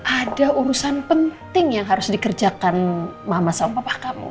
ada urusan penting yang harus dikerjakan mama sama papa kamu